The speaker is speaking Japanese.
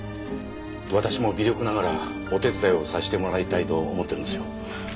私も微力ながらお手伝いをさせてもらいたいと思ってるんですよ。